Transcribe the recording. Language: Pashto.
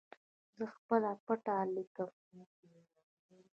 زه خپله پته لیکم.